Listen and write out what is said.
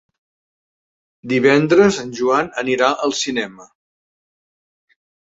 Divendres en Joan anirà al cinema.